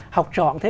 học trò cũng thế